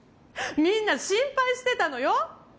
みんな心配してたのよ。